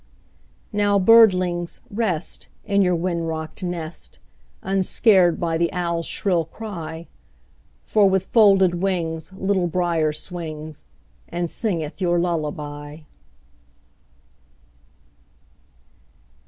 Now, birdlings, rest, In your wind rocked nest, Unscared by the owl's shrill cry; For with folded wings Little Brier swings, And singeth your lullaby.